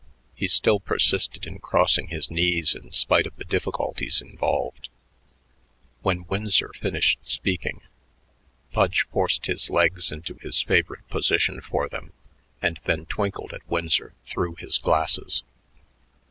He still persisted in crossing his knees in spite of the difficulties involved. When Winsor finished speaking, Pudge forced his legs into his favorite position for them and then twinkled at Winsor through his glasses.